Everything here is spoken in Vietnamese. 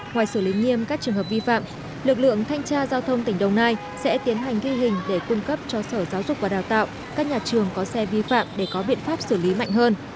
ngoài xử lý nghiêm các trường hợp vi phạm lực lượng thanh tra giao thông tỉnh đồng nai sẽ tiến hành ghi hình để cung cấp cho sở giáo dục và đào tạo các nhà trường có xe vi phạm để có biện pháp xử lý mạnh hơn